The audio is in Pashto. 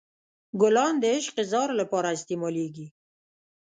ګلان د عشق اظهار لپاره استعمالیږي.